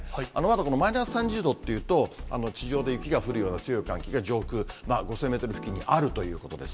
このマイナス３０度というと、地上で雪が降るような寒気が上空、５０００メートル付近にあるということです。